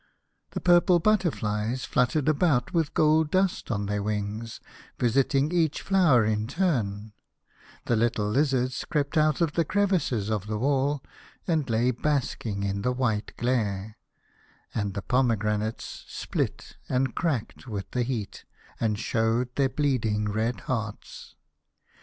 The purple butterflies fluttered about with gold dust on their wings, visiting each flower in turn ; the little lizards crept out of the crevices of the wall, and lay basking in the white glare ; and the pomegranates split and cracked with the heat, and showed their bleeding red hearts.